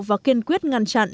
và kiên quyết ngăn chặn